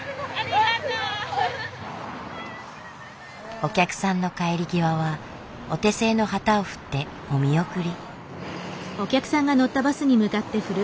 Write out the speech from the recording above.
お客さんの帰り際はお手製の旗を振ってお見送り。